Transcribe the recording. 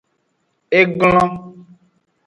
E glon.